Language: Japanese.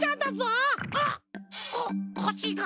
うっここしが。